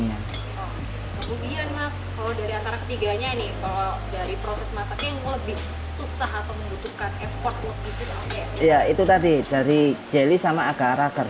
ya itu tadi dari jelly sama agar agar